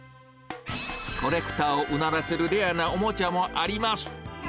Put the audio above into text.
コレクターをうならせるレアなおもちゃもあります。